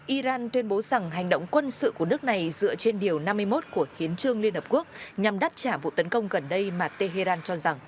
iran tuyên bố rằng hành động quân sự của nước này dựa trên điều năm mươi một của hiến trương liên hợp quốc nhằm đáp trả vụ tấn công gần đây mà tehran cho rằng